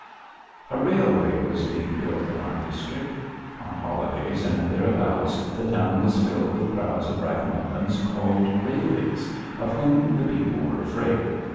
III A railway was being built in our district. On holidays and thereabouts the town was filled with crowds of ragamuffins called "railies," of whom the people were afraid.